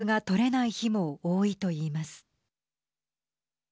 連絡が取れない日も多いと言います。